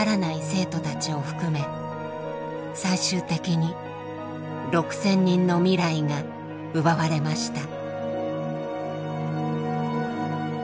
生徒たちを含め最終的に６，０００人の未来が奪われました。